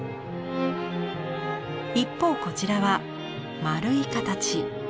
一方こちらは丸い形。